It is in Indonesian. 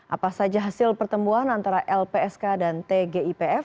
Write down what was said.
apa saja hasil pertemuan antara lpsk dan tgipf